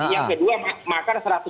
yang kedua makar satu ratus enam